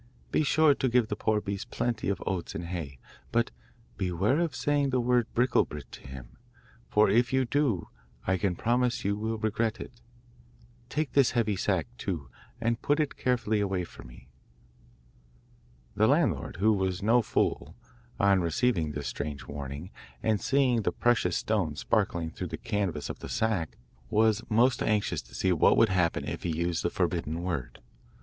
Be sure you give the poor beast plenty of oats and hay, but beware of saying the word "Bricklebrit" to him, for if you do I can promise you will regret it. Take this heavy sack, too, and put it carefully away for me.' The landlord, who was no fool, on receiving this strange warning, and seeing the precious stones sparkling through the canvas of the sack, was most anxious to see what would happen if he used the forbidden word.